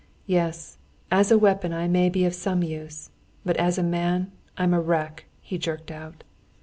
"Yes, as a weapon I may be of some use. But as a man, I'm a wreck," he jerked out.